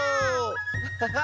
ハハハッ！